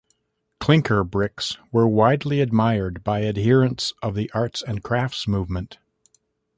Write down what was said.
Clinker bricks were widely admired by adherents of the Arts and Crafts movement.